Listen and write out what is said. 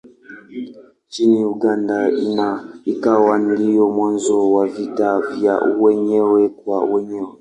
Nchini Uganda ikawa ndiyo mwanzo wa vita vya wenyewe kwa wenyewe.